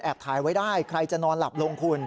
ถ่ายไว้ได้ใครจะนอนหลับลงคุณ